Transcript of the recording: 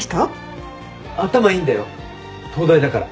頭いいんだよ東大だから。